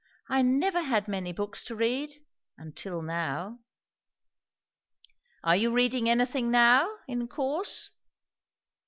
I never had many books to read; until now." "Are you reading anything now, in course?"